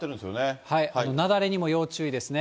雪崩にも要注意ですね。